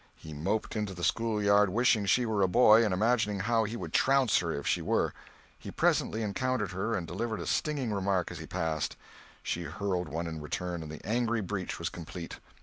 He moped into the schoolyard wishing she were a boy, and imagining how he would trounce her if she were. He presently encountered her and delivered a stinging remark as he passed. She hurled one in return, and the angry breach was complete.